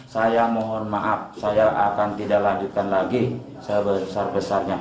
saya mohon maaf saya akan tidak lanjutkan lagi sebesar besarnya